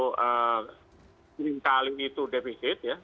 importnya itu meningkatkan itu defisit ya